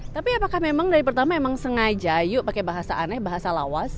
tapi apakah memang dari pertama memang sengaja yuk pakai bahasa aneh bahasa lawas